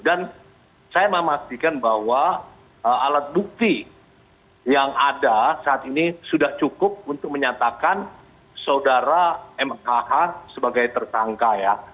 dan saya memastikan bahwa alat bukti yang ada saat ini sudah cukup untuk menyatakan saudara mah sebagai tersangka ya